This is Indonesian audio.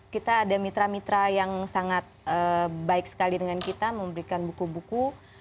kita ada mitra mitra yang sangat baik sekali dengan kita memberikan buku buku